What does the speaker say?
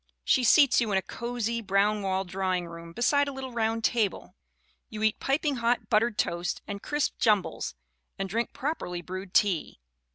She seats you in a "cozy, brown walled drawing room, beside a little round table/* You eat "piping hot buttered toast and crisp jumbles, and drink prop erly brewed tea.